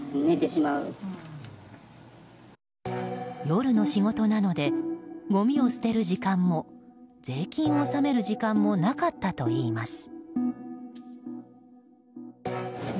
夜の仕事なのでごみを捨てる時間も税金を納める時間もなかったといいます。